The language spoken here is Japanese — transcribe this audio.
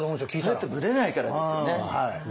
それってブレないからですよね。